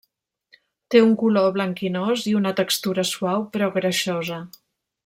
Té un color blanquinós i una textura suau però greixosa.